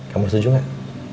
kamu setuju gak